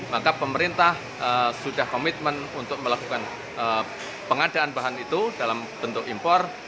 maka pemerintah sudah komitmen untuk melakukan pengadaan bahan itu dalam bentuk impor